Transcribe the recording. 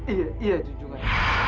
iya iya junjungan